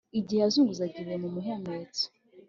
igihe yazunguzaga ibuye mu muhumetso